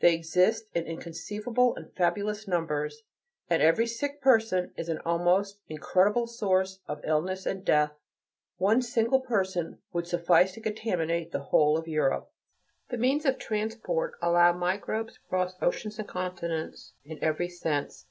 They exist in inconceivable and fabulous numbers; and every sick person is an almost incredible source of illness and death. One single person would suffice to contaminate the whole of Europe. The means of transport allow microbes to cross oceans and continents in every sense.